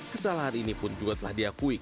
kesalahan ini pun juga telah diakui